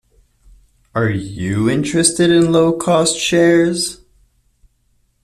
Are you interested in low-cost shares?